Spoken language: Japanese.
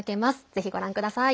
ぜひご覧ください。